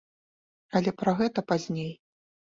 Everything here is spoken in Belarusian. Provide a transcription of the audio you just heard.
Але пра гэта пазней.